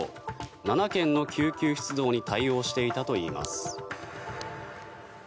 ７件の救急出動に対応していたといいます。